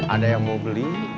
ada yang mau beli